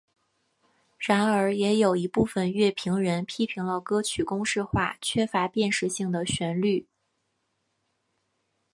然而也有一部分乐评人批评了歌曲公式化缺乏辨识性的旋律。